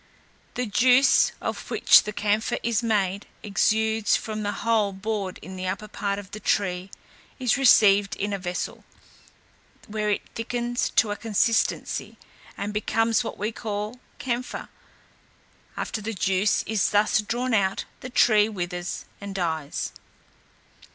The juice, of which the camphire is made, exudes from a hole bored in the upper part of the tree, is received in a vessel, where it thickens to a consistency, and becomes what we call camphire; after the juice is thus drawn out, the tree withers and dies.